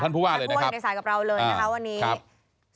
ท่านผู้ว่าอย่างในสายกับเราเลยนะครับวันนี้